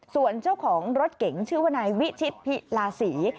ส่วนเจ้าของรถเก๋งชื่อว่านายวิชิตพิลาศรี